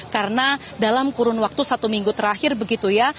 karena dalam kurun waktu satu minggu terakhir begitu ya